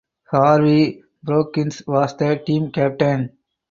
Harvey Brookins was the team captain.